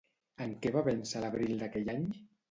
En què va vèncer l'abril d'aquell any?